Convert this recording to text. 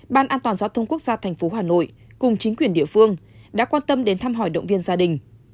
ban an toàn giao thông quốc gia tp hà nội cùng chính quyền địa phương đã quan tâm đến thăm hỏi động viên gia đình